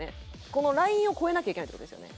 このラインを越えなきゃいけないって事ですよね？